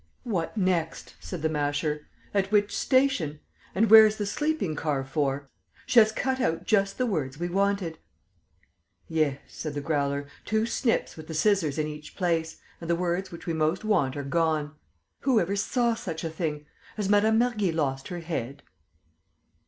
"What next?" said the Masher. "At which station? And where's the sleeping car for? She has cut out just the words we wanted!" "Yes," said the Growler. "Two snips with the scissors in each place; and the words which we most want are gone. Who ever saw such a thing? Has Mme. Mergy lost her head?"